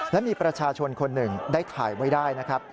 และมีประชาชนคนหนึ่งได้ถ่ายไว้ได้นะครับ